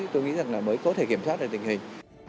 tôi nghĩ rằng là mới có thể kiểm soát được tình hình